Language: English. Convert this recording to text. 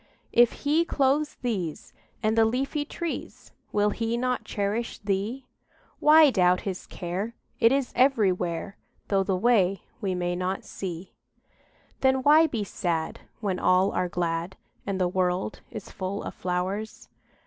If He clothes these And the leafy trees, Will He not cherish thee? Why doubt His care; It is everywhere, Though the way we may not see. Then why be sad When all are glad, And the world is full of flowers?